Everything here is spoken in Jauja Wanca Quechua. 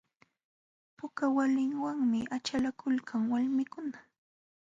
Puka waliwanmi achalakulkan walmikuna.